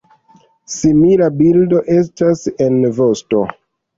Simila bildo estas en vosto.